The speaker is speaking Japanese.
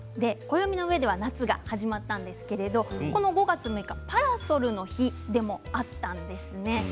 暦のうえでは夏が始まったんですが立夏はパラソルの日でもあったんですね。